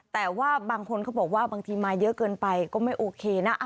แต่ว่าบางคนเขาบอกว่าบางทีมาเยอะเกินไปก็ไม่โอเคนะ